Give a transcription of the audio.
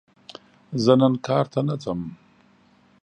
زه نن کار ته نه ځم!